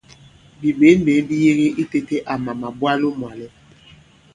Bìɓěnɓěn bi yege itēte àmà màbwalo mwàlɛ.